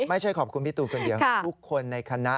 ไม่ใช่ขอบคุณพี่ตูนคนเดียวทุกคนในคณะ